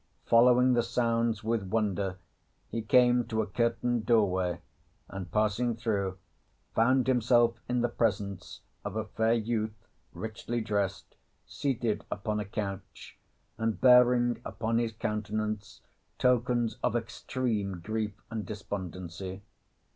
Following the sounds with wonder he came to a curtained doorway, and passing through found himself in the presence of a fair youth richly dressed, seated upon a couch and bearing upon his countenance tokens of extreme grief and despondency.